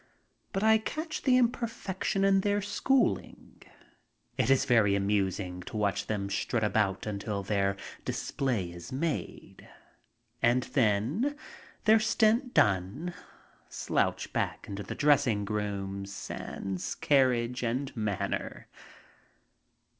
But I catch the imperfection in their schooling. It is very amusing to watch them strut about until their display is made, and then, their stint done, slouch back into the dressing rooms sans carriage and manner.